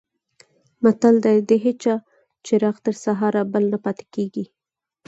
متل دی: د هېچا چراغ تر سهاره بل نه پاتې کېږي.